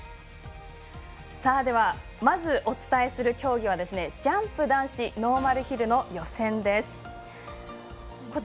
まず、お伝えする競技はジャンプ男子ノーマルヒルの予選。